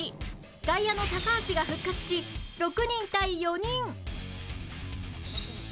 外野の高橋が復活し６人対４人